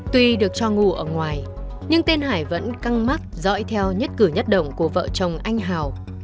tuy được cho ngủ ở ngoài nhưng tên hải vẫn căng mắt dõi theo nhất cử nhất động của vợ chồng anh hào